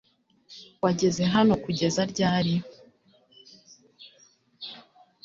Wageze hano kugeza ryari?